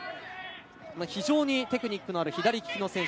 非常にテクニックのある左利きの選手。